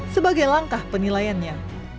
sebagai langkah penilaiannya